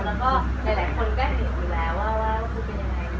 แล้วหลายคนก็ินได้ยังว่าว่าคุณเป็นยังไง